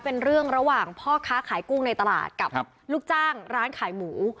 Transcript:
เป็นเรื่องระหว่างพ่อค้าขายกุ้งในตลาดกับลูกจ้างร้านขายหมู